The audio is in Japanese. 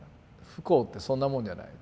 不幸ってそんなもんじゃない。